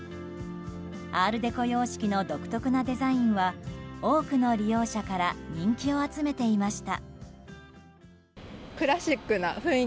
アール・デコ様式の独特なデザインは多くの利用者から人気を集めていました。